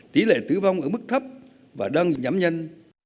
tỷ lệ tử vong ở mức thấp và đang nhắm nhanh